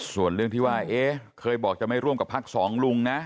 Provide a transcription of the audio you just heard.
ส่วนเรื่องที่ว่าเอ๊ะเคยบอกจะไม่ร่วมกับพักสองลุงนะ